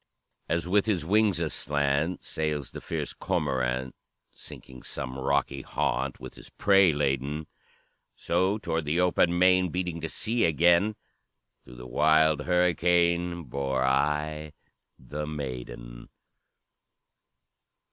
"As with his wings aslant, Sails the fierce cormorant, Seeking some rocky haunt, With his prey laden. So toward the open main, Beating to sea again, Through the wild hurricane, Bore I the maiden.